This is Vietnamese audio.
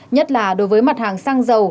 nhất là đối với mặt hàng xăng dầu